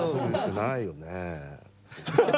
ないよね。